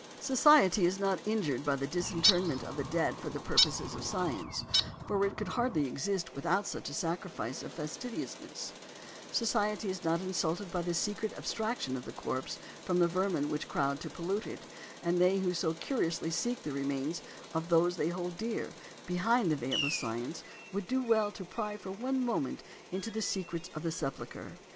Society is not injured by the disinterment of the dead for the purposes of science, for it could hardly exist without such a sacrifice of fastidiousness; society is not insulted by the secret abstraction of the corpse from the vermin which crowd to pollute it, and they who so curiously seek the remains of those they hold dear, behind the veil of science, would do well to pry for one moment into the secrets of the sepulchre.